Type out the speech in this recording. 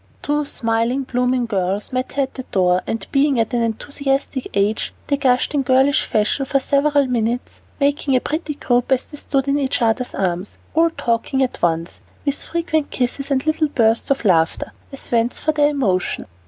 Two smiling, blooming girls met her at the door, and, being at an enthusiastic age, they gushed in girlish fashion for several minutes, making a pretty group as they stood in each other's arms, all talking at once, with frequent kisses and little bursts of laughter, as vents for their emotion.